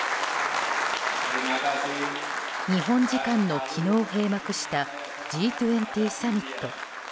日本時間の昨日開幕したＧ２０サミット。